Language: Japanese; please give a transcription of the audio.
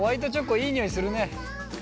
いい匂いするね。